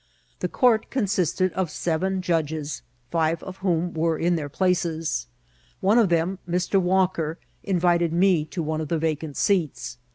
The oourt consists of seven judges, five of whom were in their places. One of them, Mr. Walker, invited me to one of the vacant seats.